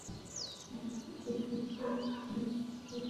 Moulinex, Nescafe, এগুলো সব তার।